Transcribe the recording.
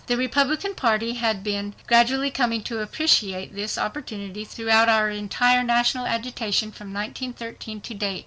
The Republican Party had been gradually coming to appreciate this opportunity throughout our entire national agitation from 1913 to date.